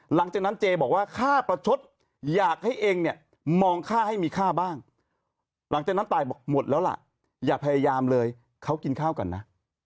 หลังจากนั้นเจบอกว่าค่าประชดอยากให้เองเนี่ยมองค่าให้มีค่าบ้างหลังจากนั้นตายบอกหมดแล้วล่ะอย่าพยายามเลยเขากินข้าวกันนะ